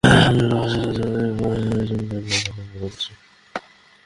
আপনি আকাশ রাজ্যে একা আর এই যমীনে আমি একাই আপনার ইবাদত করছি।